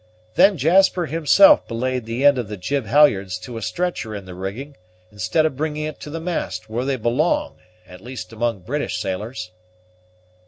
Then Jasper himself belayed the end of the jib halyards to a stretcher in the rigging, instead of bringing it to the mast, where they belong, at least among British sailors."